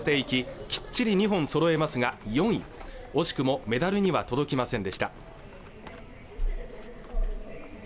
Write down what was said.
きっちり２本そろえますが４位惜しくもメダルには届きませんでした